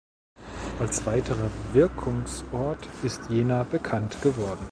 Als weiterer Wirkungsort ist Jena bekannt geworden.